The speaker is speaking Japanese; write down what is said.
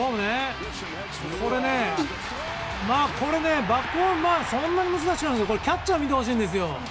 これ、バックホームはそんなに難しくないんですがキャッチャーを見てほしいんですよ。